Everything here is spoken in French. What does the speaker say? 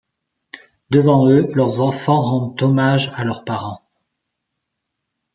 Devant eux leurs enfants rendent hommage à leurs parents.